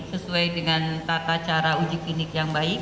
sesuai dengan tata cara uji klinik yang baik